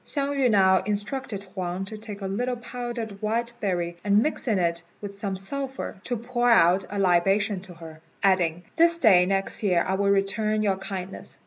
Hsiang yü now instructed Huang to take a little powdered white berry, and mixing it with some sulphur, to pour out a libation to her, adding, "This day next year I will return your kindness."